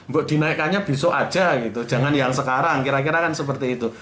bu dinaikannya besok aja gitu jangan yang sekarang kira kira kan seperti itu